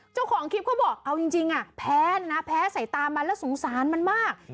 เจ้าของคลิปเขาบอกเอาจริงแพ้นะแพ้ใส่ตามันแล้วสงสารมันมาก